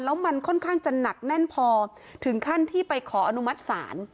แล้วมันค่อนข้างจะหนักแน่นพอถึงขั้นที่ไปขออนุมัติศาล